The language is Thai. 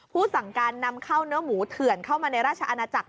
สั่งการนำเข้าเนื้อหมูเถื่อนเข้ามาในราชอาณาจักร